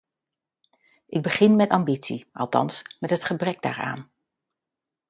Ik begin met ambitie, althans met het gebrek daaraan.